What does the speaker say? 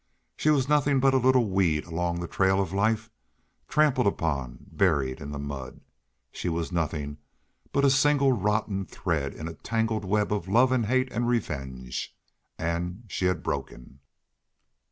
She was nothing but a little weed along the trail of life, trampled upon, buried in the mud. She was nothing but a single rotten thread in a tangled web of love and hate and revenge. And she had broken.